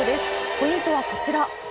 ポイントはこちら。